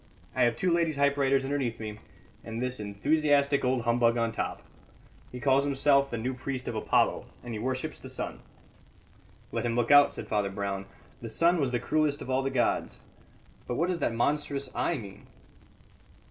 I have two lady typewriters underneath me, and this enthusiastic old humbug on top. He calls himself the New Priest of Apollo, and he worships the sun." "Let him look out," said Father Brown. "The sun was the cruellest of all the gods. But what does that monstrous eye mean?"